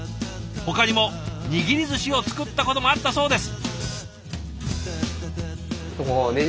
ほかにも握りずしを作ったこともあったそうです。